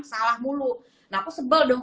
salah mulu nah aku sebel dong